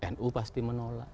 nu pasti menolak